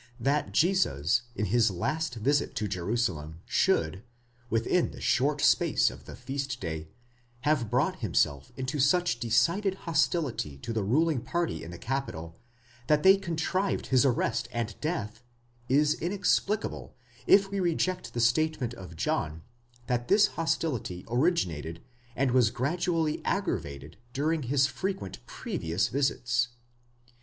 That Jesus in his last visit to Jerusalem should, within the short space of the feast day, have brought himself into such decided hostility to the ruling party in the capital, that they contrived his arrest and death, is inexplicable, if we reject the statement of John, that this hostility originated and was gradually aggravated during his frequent previous visits.!